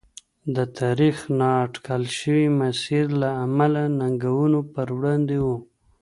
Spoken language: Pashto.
د تاریخ نااټکل شوي مسیر له امله ننګونو پر وړاندې و.